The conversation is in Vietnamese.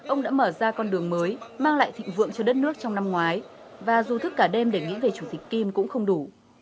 ông đã mở ra con đường mới mang lại thịnh vượng cho đất nước trong năm ngoái và dù thức cả đêm để nghĩ về chủ tịch kim cũng không đủ